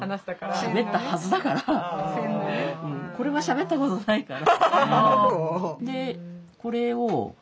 しゃべったはずだからこれはしゃべったことないから。